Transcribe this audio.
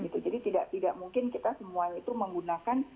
jadi tidak mungkin kita semua itu menggunakan